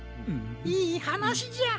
いいはなしじゃ。